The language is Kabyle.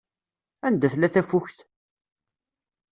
Anda tella tafukt?